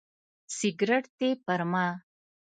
سګرټ دې پر ما.